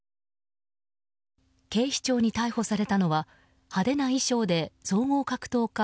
警視庁に逮捕されたのは派手な衣装で総合格闘家